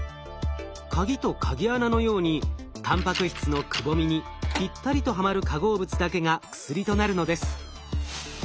鍵と鍵穴のようにたんぱく質のくぼみにぴったりとはまる化合物だけが薬となるのです。